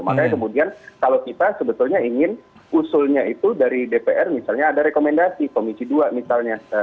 makanya kemudian kalau kita sebetulnya ingin usulnya itu dari dpr misalnya ada rekomendasi komisi dua misalnya